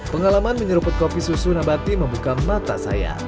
pengalaman menyeruput kopi susu nabati membuka mata saya